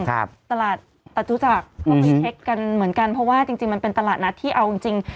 อ่าถูกต้อง